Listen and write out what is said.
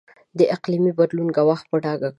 د اقلیمي بدلون ګواښ په ډاګه کړ.